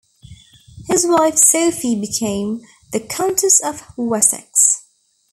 His wife Sophie became "The Countess of Wessex".